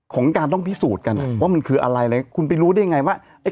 ของการต้องพิสูจน์กันว่ามันคืออะไรเลยคุณไปรู้ได้ยังไงว่าไอ้